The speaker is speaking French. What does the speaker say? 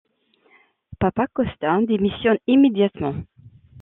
Papakóstas démissionne immédiatement.